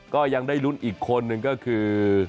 ก็ยังได้ลุ้นอีกคนนึงก็คือ